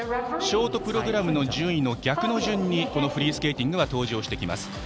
ショートプログラムの順位の逆の順にフリースケーティングは登場します。